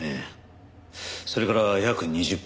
それから約２０分後。